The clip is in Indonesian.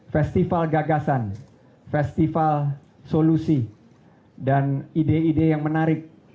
festival gagasan festival solusi dan ide ide yang menarik